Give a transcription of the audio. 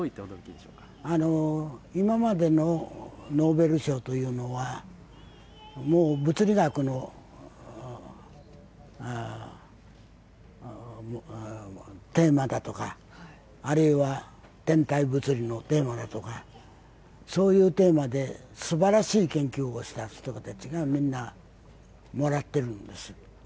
今までのノーベル賞というのは、もう物理学のテーマだとか、あるいは天体物理のテーマだとかそういうテーマですばらしい研究をした人たちがみんなもらっているんです。